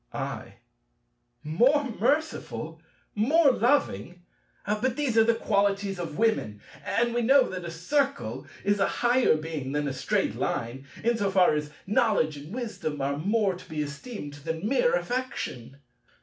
I. "More merciful, more loving!" But these are the qualities of women! And we know that a Circle is a higher Being than a Straight Line, in so far as knowledge and wisdom are more to be esteemed than mere affection.